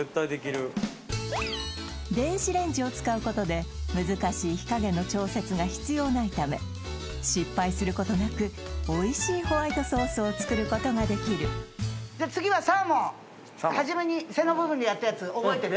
電子レンジを使うことで難しい火加減の調節が必要ないため失敗することなくおいしいホワイトソースを作ることができるじゃあ次はサーモン始めに背の部分でやったやつ覚えてる？